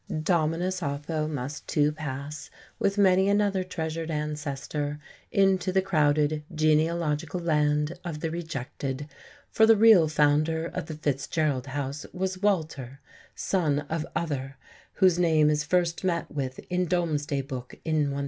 Dominus Otho must too pass, with many another treasured ancestor, into the crowded genealogical land of the rejected; for the real founder of the Fitzgerald house was Walter, son of "Other," whose name is first met with in Domesday Book in 1086.